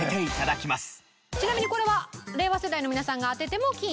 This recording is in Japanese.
ちなみにこれは。